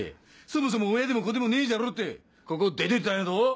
そもそも親でも子でもねえじゃろってここ出てったんやど！